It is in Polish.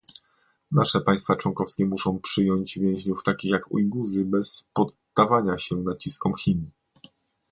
Nasze państwa członkowskie muszą przyjąć więźniów takich jak Ujgurzy, bez poddawania się naciskom Chin